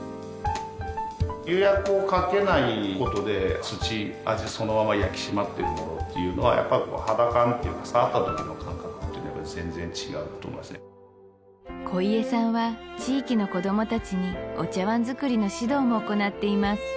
釉薬をかけないことで土味そのまま焼き締まってるものっていうのはやっぱりこう肌感っていうんですか触ったときの感覚っていうのは全然違うと思いますね鯉江さんは地域の子供達にお茶碗づくりの指導も行っています